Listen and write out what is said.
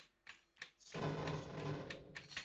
光叶石栎